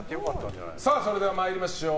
それでは参りましょう。